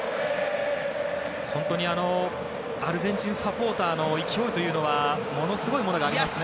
本当にアルゼンチンサポーターの勢いというのはものすごいものがありますね。